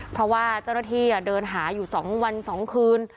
เพราะว่าเจ้าหน้าที่เดินหาอยู่๒วัน๒คืน